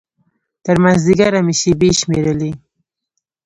تر مازديګره مې شېبې شمېرلې.